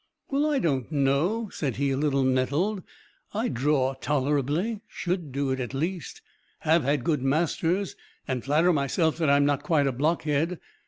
"Well, I don't know," said he, a little nettled, "I draw tolerably should do it at least have had good masters, and flatter myself that I am not quite a blockhead."